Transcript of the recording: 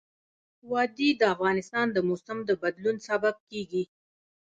وادي د افغانستان د موسم د بدلون سبب کېږي.